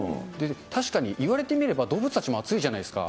確かに、言われてみれば動物たちも暑いじゃないですか。